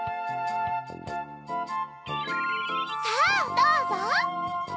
さぁどうぞ！